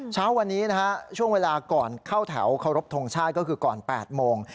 เช้าวันนี้นะฮะช่วงเวลาก่อนเข้าแถวเคารพทงชาติก็คือก่อน๘โมง